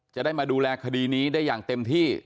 จะได้มาดูแลคดีนี้ได้อย่างเต็มที่